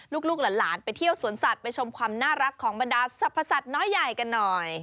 ลูกหลานไปเที่ยวสวนสัตว์ไปชมความน่ารักของบรรดาสรรพสัตว์น้อยใหญ่กันหน่อย